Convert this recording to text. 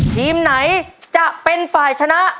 ทีมไหนจะเป็นฝ่ายชนะ